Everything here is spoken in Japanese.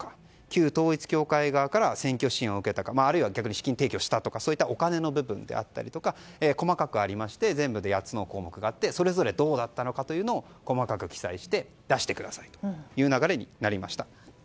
旧統一教会側から選挙支援を受けたかあるいは逆に資金提供したとかお金の部分であったり細かくありまして全部で８つの項目があってそれぞれどうだったのか細かく記載して出してくださいという流れになりました。